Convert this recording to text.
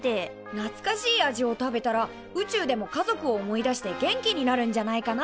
なつかしい味を食べたら宇宙でも家族を思い出して元気になるんじゃないかな。